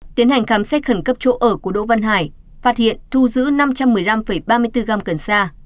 tiến hành khám xét khẩn cấp chỗ ở của đỗ văn hải phát hiện thu giữ năm trăm một mươi năm ba mươi bốn g cẩn xa